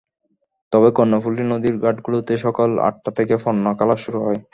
তবে কর্ণফুলী নদীর ঘাটগুলোতে সকাল আটটা থেকে পণ্য খালাস শুরু হয়।